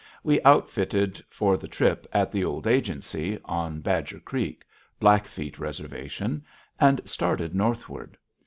We outfitted for the trip at the Old Agency, on Badger Creek, Blackfeet Reservation, and started northward.